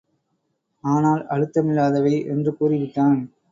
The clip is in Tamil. ஆனால் அழுத்தமில்லாதவை என்று கூறிவிட்டான்.